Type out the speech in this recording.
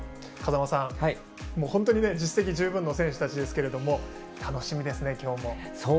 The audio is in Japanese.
風間さん、本当に実績十分の選手たちですけども楽しみですね、今日も。